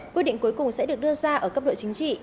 quyết định cuối cùng sẽ được đưa ra ở cấp độ chính trị